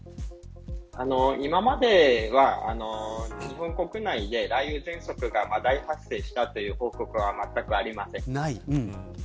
今までは日本国内で雷雨ぜんそくが大発生したという報告はまったくありません。